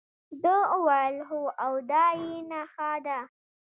ده وویل هو او دا یې نخښه ده.